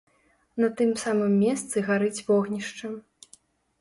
На тым самым месцы гарыць вогнішча.